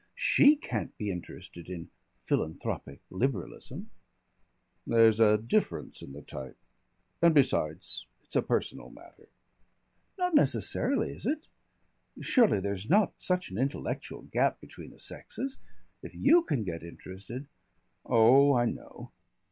She can't be interested in philanthropic Liberalism." "There's a difference in the type. And besides, it's a personal matter." "Not necessarily, is it? Surely there's not such an intellectual gap between the sexes! If you can get interested " "Oh, I know."